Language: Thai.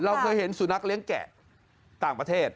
เราเคยเห็นสุนัขเลี้ยงแกะต่างประเทศ